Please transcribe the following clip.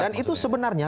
dan itu sebenarnya